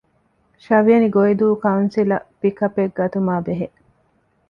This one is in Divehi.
ށ. ގޮއިދޫ ކައުންސިލަށް ޕިކަޕެއް ގަތުމާ ބެހޭ